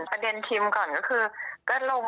ประเทคนติมก่อนก็คือก็ลง